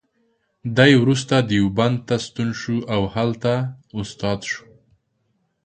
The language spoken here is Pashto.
دی وروسته دیوبند ته ستون او هلته استاد شو.